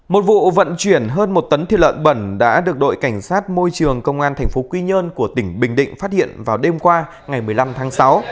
một vụ vận chuyển hơn một tấn thịt lợn bẩn đã được đội cảnh sát môi trường công an tp quy nhơn của tỉnh bình định phát hiện vào đêm qua ngày một mươi năm tháng sáu